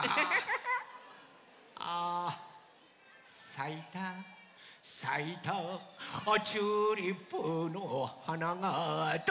「さいたさいたチューリップのはなが」と。